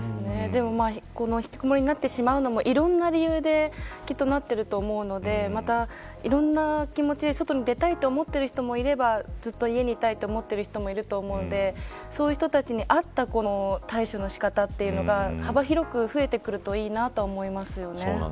このひきこもりなってしまうのも、いろんな理由でなってると思うので外に出たいと思ってる人もいればずっと家にいたいと思っている人もいると思うのでそういう人たちにあった対処の仕方というのが幅広く増えてくるといいなと思いますよね。